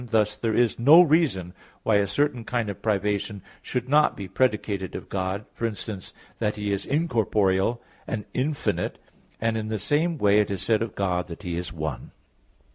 Thus there is no reason why a certain kind of privation should not be predicated of God; for instance, that He is incorporeal and infinite; and in the same way it is said of God that He is one.